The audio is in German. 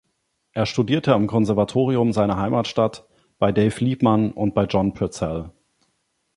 Er studierte am Konservatorium seiner Heimatstadt, bei Dave Liebman und bei John Purcell.